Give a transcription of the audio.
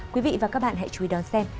quý vị và các bạn hãy chú ý đón xem